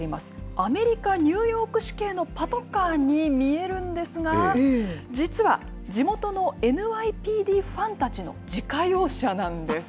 アメリカ・ニューヨーク市警のパトカーに見えるんですが、実は、地元のＮＹＰＤファンたちの自家用車なんです。